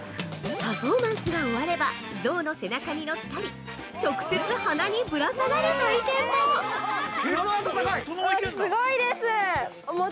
◆パフォーマンスが終われば象の背中に乗ったり直接鼻にぶら下がる体験も！